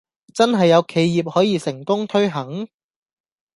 真係有企業可以成功推行?